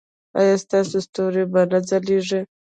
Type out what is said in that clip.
ایا ستاسو ستوري به نه ځلیږي؟